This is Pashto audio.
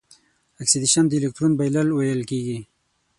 اکسیدیشن د الکترون بایلل ویل کیږي.